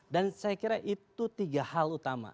dan saya kira itu tiga hal utama